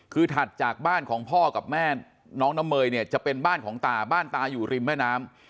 คือถัดจากบ้านของพ่อกับแม่น้องน้ำเมยเนี่ยจะเป็นบ้านของตาบ้านตาอยู่ริมแม่น้ำ